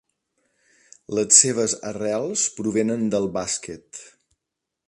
Les seves arrels provenen del bàsquet.